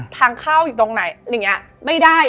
ทางเข้าอยู่ตรงไหนไม่ได้